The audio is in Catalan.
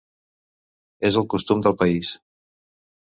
És el costum del país.